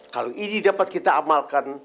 kalau ini dapat kita amalkan